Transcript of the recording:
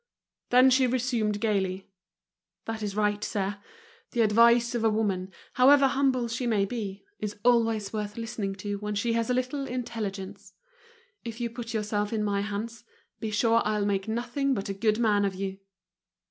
Then she resumed gaily: "That is right, sir. The advice of a woman, however humble she may be, is always worth listening to when she has a little intelligence. If you put yourself in my hands, be sure I'll make nothing but a good man of you!"